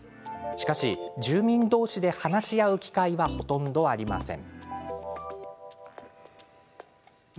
しかし住民同士で話し合う機会はほとんどありません。